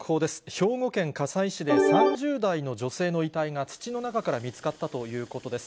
兵庫県加西市で３０代の女性の遺体が土の中から見つかったということです。